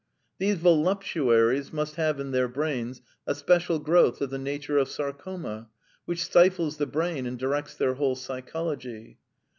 These voluptuaries must have in their brains a special growth of the nature of sarcoma, which stifles the brain and directs their whole psychology.